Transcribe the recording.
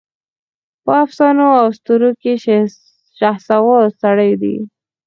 په افسانواواسطوروکې شهسوار سړی دی